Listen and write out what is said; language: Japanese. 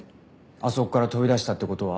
あそこから飛び出したって事は。